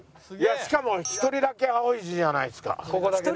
しかも１人だけ青い字じゃないですか。